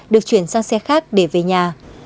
được chuyển sang xe khác để về nhà